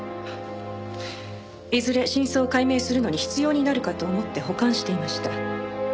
いずれ真相を解明するのに必要になるかと思って保管していました。